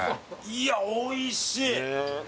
いやおいしいっ！